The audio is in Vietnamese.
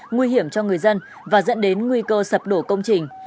nguy hiểm cho người dân và dẫn đến nguy cơ sập đổ công trình